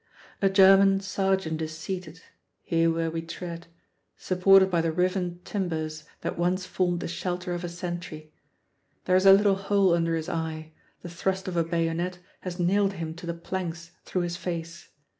A German sergeant is seated, here where we tread, supported by the riven timbers that once formed the shelter of a sentry. There is a little hole under his eye; the thrust of a bayonet has nailed him to the planks through his face.